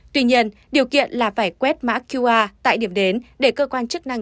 tuy nhiên điều kiện là phải quét mã qr tại điểm đến để cơ quan chức năng